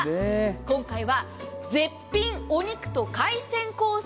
今回は絶品お肉と海鮮コース